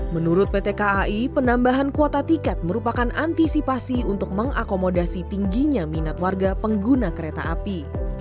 menurut pt kai penambahan kuota tiket merupakan antisipasi untuk mengakomodasi tingginya minat warga pengguna kereta api